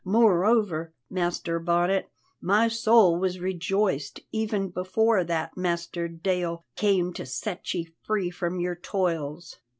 Moreover, Master Bonnet, my soul was rejoiced even before that master de'il came to set ye free from your toils.